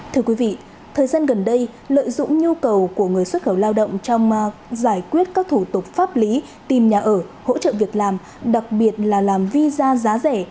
thưa quý vị thời gian gần đây lợi dụng nhu cầu của người xuất khẩu lao động trong giải quyết các thủ tục pháp lý tìm nhà ở hỗ trợ việc làm đặc biệt là làm visa giá rẻ